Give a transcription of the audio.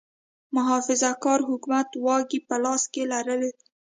محافظه کار حکومت واګې په لاس کې لرلې.